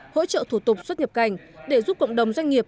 hỗ trợ thủ tục xuất nhập cảnh để giúp cộng đồng doanh nghiệp